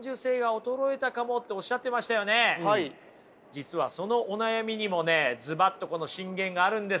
実はそのお悩みにもねズバッとこの箴言があるんですよ。